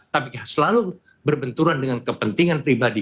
tapi selalu berbenturan dengan kepentingan pribadi